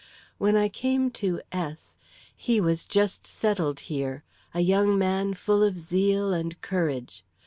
When I came to S he was just settled here, a young man full of zeal and courage.